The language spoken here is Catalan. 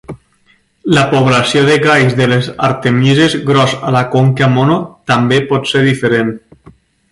La població de galls de les artemises gros a la Conca Mono també pot ser diferent.